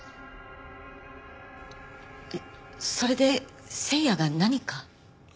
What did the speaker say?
それで星也が何か？